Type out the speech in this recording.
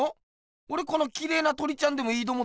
おれこのきれいな鳥ちゃんでもいいと思ってるよ。